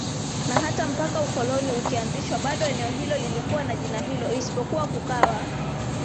Na hata mpaka ukoloni ukianzishwa bado eneo hilo lilikuwa na jina hilo isipokuwa kukawa